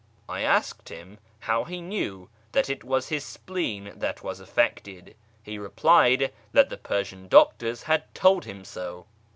I asked him how he knew that it was his spleen that was affected. He replied that the Persian doctors had told him so.